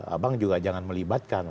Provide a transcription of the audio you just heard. abang juga jangan melibatkan